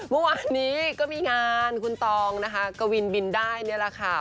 เมื่อวานนี้ก็มีงานคุณตองนะคะกวินบินได้นี่แหละค่ะ